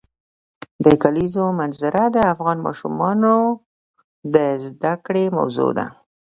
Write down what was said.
د کلیزو منظره د افغان ماشومانو د زده کړې موضوع ده.